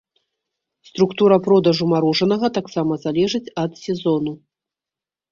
Структура продажу марожанага таксама залежыць ад сезону.